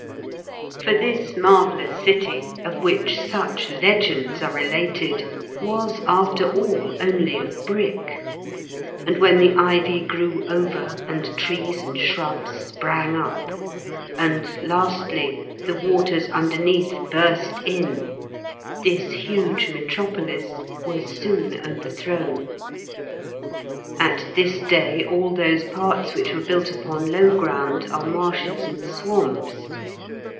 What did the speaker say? For this marvellous city, of which such legends are related, was after all only of brick, and when the ivy grew over and trees and shrubs sprang up, and, lastly, the waters underneath burst in, this huge metropolis was soon overthrown. At this day all those parts which were built upon low ground are marshes and swamps.